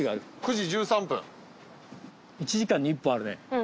１時間に１本あるね。